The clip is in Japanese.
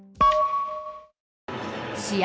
試合